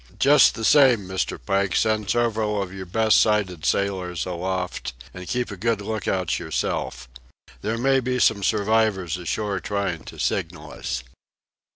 Just the same, Mr. Pike, send several of your best sighted sailors aloft, and keep a good lookout yourself. There may be some survivors ashore trying to signal us."